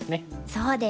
そうです。